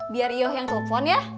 biar yoh yang telepon ya